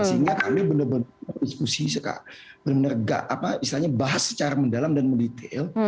sehingga kami benar benar berdiskusi benar benar bahas secara mendalam dan mendetail